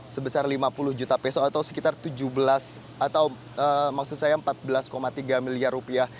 sebesar lima puluh juta peso atau sekitar tujuh belas atau maksud saya empat belas tiga miliar rupiah